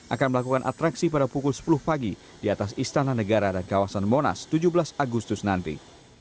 akan melakukan atraksi pada pukul sepuluh pagi di atas istana negara dan kawasan monas tujuh belas agustus nanti